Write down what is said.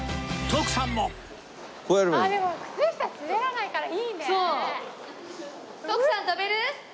徳さん跳べる？